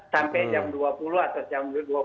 sampai jam dua puluh atau jam dua puluh